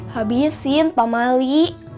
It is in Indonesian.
habisin pak mali